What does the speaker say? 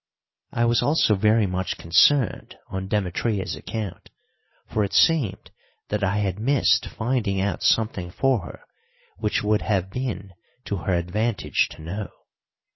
I was also very much concerned on Demetria's account, for it seemed that I had missed finding out something for her which would have been to her advantage to know.